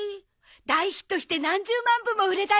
大ヒットして何十万部も売れたり！